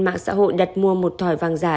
mạng xã hội đặt mua một thỏi vàng giả